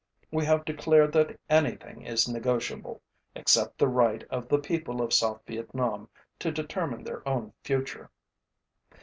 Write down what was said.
We have declared that anything is negotiable, except the right of the people of South Vietnam to determine their own future.